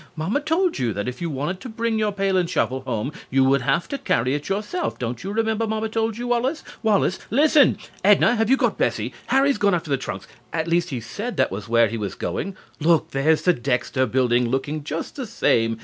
Mamma told you that if you wanted to bring your pail and shovel home you would have to carry it yourself, don't you remember Mamma told you that, Wallace?... Wallace, listen!... Edna, have you got Bessie?... Harry's gone after the trunks.... At least, he said that was where he was going.... Look, there's the Dexter Building, looking just the same.